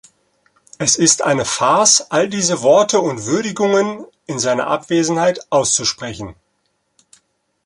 Es ist eine Farce, all diese Worte und Würdigungen in seiner Abwesenheit auszusprechen.